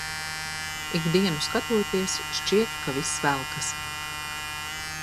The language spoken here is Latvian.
Ik dienu skatoties, šķiet ka viss velkas.